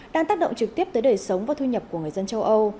đang tác động trực tiếp tới đời sống và thu nhập của người dân châu âu